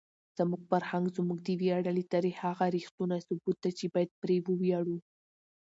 زموږ فرهنګ زموږ د ویاړلي تاریخ هغه ریښتونی ثبوت دی چې باید پرې وویاړو.